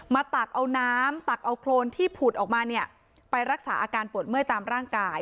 ตักเอาน้ำตักเอาโครนที่ผุดออกมาเนี่ยไปรักษาอาการปวดเมื่อยตามร่างกาย